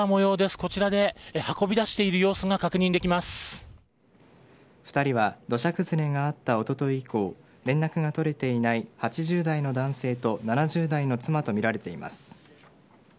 こちらで運び出している様子が２人は土砂崩れがあったおととい以降連絡が取れていない８０代の男性と７０代の妻とみられています。